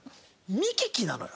「見聞き」なのよ。